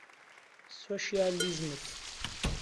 سۆشیالیزمت